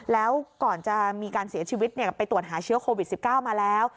แล้วก่อนจะมีการเสียชีวิตไปตรวจหาเชื้อโควิด๑๙มาแล้ว